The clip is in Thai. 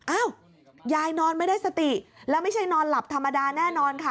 อ้าวยายนอนไม่ได้สติแล้วไม่ใช่นอนหลับธรรมดาแน่นอนค่ะ